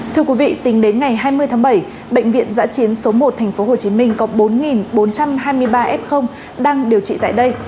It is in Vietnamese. thưa quý vị tính đến ngày hai mươi tháng bảy bệnh viện giã chiến số một tp hcm có bốn bốn trăm hai mươi ba f đang điều trị tại đây